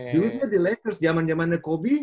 dulu dia di lakers zaman zamannya kobi